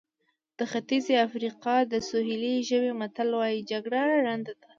د ختیځې افریقا د سوهیلي ژبې متل وایي جګړه ړنده ده.